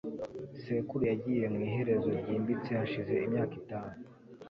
sekuru yagiye mu iherezo ryimbitse hashize imyaka itanu